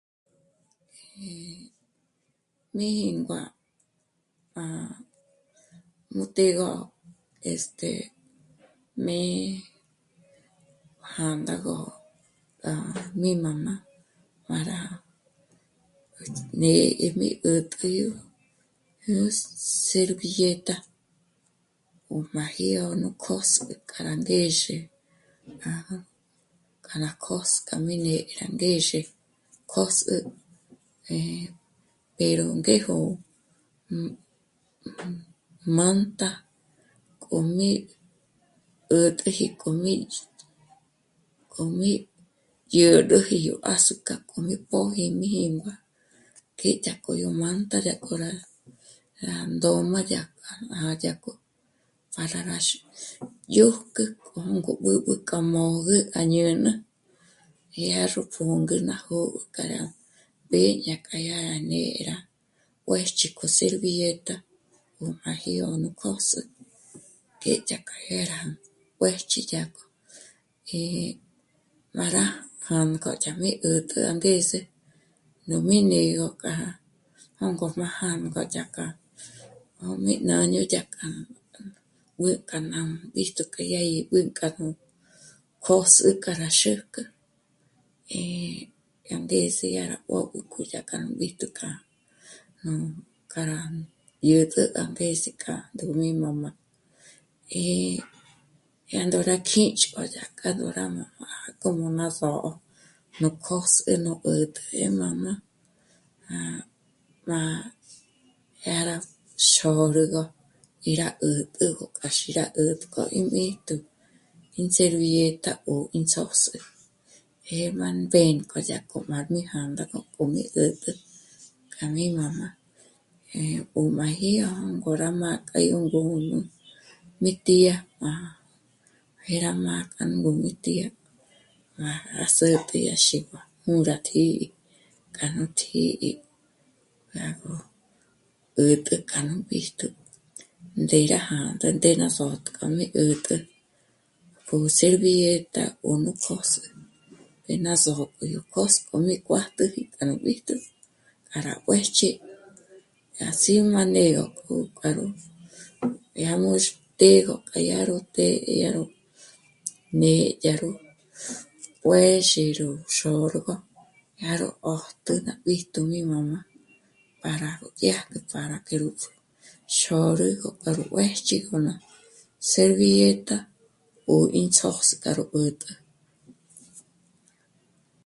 Eh, mí jíngua pa... nú të̌'ëgö, este..., mí jā̂ndāgö gá mí mā́mā, má rá né'ejmé 'ä̀t'ä yó jyús... servilleta o máji yó nú kjö́s'ü k'a rá ndéxe, k'a rá kjö́s'ü k'a rí né'e angexe kjö́s'ü, eh..., pero ngéjo m... mânta k'o mí 'ä̀t'äji k'o mí ndzh..., k'o mí dyä̀rüji ázuca k'o mí póji mí jíngua k'e dyá k'o yó mânta dyá k'o rá... rá ndôm'a dyá k'a ná'a dyá k'o para rá x... dyójk'ü k'o jângo b'ǚb'ü k'a môgü à ñä̌'nä dyá ró pjö̌ngu ná jó'o k'a rá mbé'e ñá k'a rá né'e rá juë̌jch'i k'o servilleta 'o máji yó ngôs'ü k'e dyá k'a yá rá juë̌jch'i dyá k'o í'i má rá jângo yá mí 'ä̀t'ä angeze rú mí né'egö k'a jângo má já'a jângo dyá k'a. 'ó mí ñâño dyá k'a b'ǘ k'a nà kjâ'a b'íjtu k'a yá gí b'ǘnk'a gó kjôs'ü k'a rá xǘjkjü, í yá ndés'e dyá rá b'ób'ü k'o dyá k'a nú b'íjtu k'a nú... k'a rá dyä̀t'ä angezi k'a 'ùni mā́mā, í dyá ndó rá kíchi k'o yá k'a ndóra nú má jók'o ná só'o nú kjôs'ü nú 'ä̀t'ä yó nána, à, má dyá rá xôrügö í rá 'ä̀t'ägö k'a rí xíra 'ä̀t'göji í m'íjtu ín servilleta 'ó ín ts'óts'ü, jé má mbênk'o dyá k'o má mí jā̂ndāgö k'o mí 'ä̀t'ä k'a mí mā́mā, eh, 'ó máji yó ngó rá mâ'a k'a yó ngǔm'ü mí tía má... jé rá mâ'a k'a ngǔm'ü ín tía, má rá sä̌tji rá xí'i ngú'u rá tǐ'i, k'a nú tjǐ'i dyá gó 'ä̀t'ä k'a nú b'íjtu ndé rá jā̂ndā ndé rá sót'ü k'a mí 'ä̀t'ä po servilleta ó nú kjôs'ü, ndé ná s'ó'o k'o yó kjôs'ü k'o mí kuájtüji k'a nú b'íjtu k'a rá juë̌jchji, yá sí'i má né'egö k'o k'a ró dyá múxtegö k'o dyá ró të́'ë k'a dyá ró né'e dyá ró juë̌zhi ró xôrgo, dyá ró 'ö́jtü k'a nú b'íjtu í mā́mā para gó dyájk'o para que rú xôrügö para ró juë̌jchjigö ná servilleta o ín ts'ósk'a rú 'ä̀t'ä